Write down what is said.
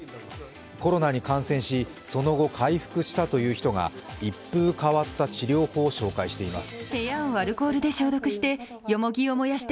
コロナに感染し、その後回復したという人が一風変わった治療法を紹介しています。